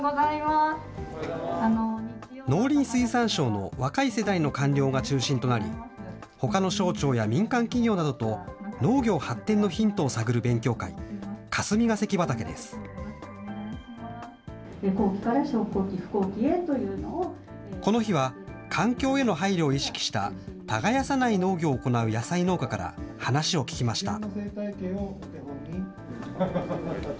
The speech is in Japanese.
農林水産省の若い世代の官僚が中心となり、ほかの省庁や民間企業などと、農業発展のヒントをこの日は、環境への配慮を意識した耕さない農業を行う野菜農家から、話を聞きました。